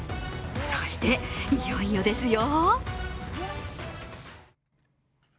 そして、いよいよですよ。